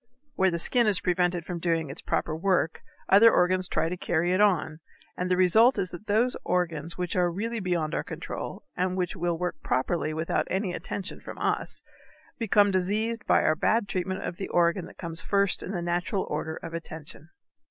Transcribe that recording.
Where the skin is prevented from doing its proper work other organs try to carry it on, and the result is that those organs which are really beyond our control, and which will work properly without any attention from us, become diseased by our bad treatment of the organ that comes first in the natural order of attention.